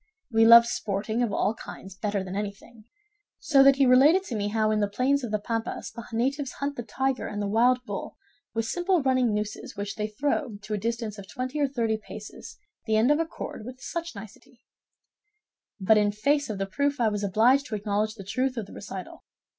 We loved sporting of all kinds better than anything; so that he related to me how in the plains of the Pampas the natives hunt the tiger and the wild bull with simple running nooses which they throw to a distance of twenty or thirty paces the end of a cord with such nicety; but in face of the proof I was obliged to acknowledge the truth of the recital.